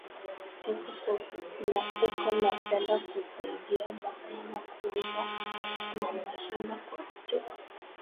Eko na penda ku saidiya ba mama ku uza ma mashamba kwa chefu